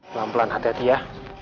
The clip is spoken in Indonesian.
pelan pelan hati hati ya